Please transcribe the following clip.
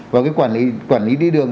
và cái quản lý đi đường